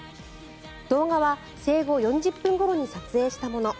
動画は生後４０分ごろに撮影したもの。